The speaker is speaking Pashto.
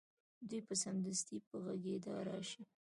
دوی به سمدستي په غږېدا راشي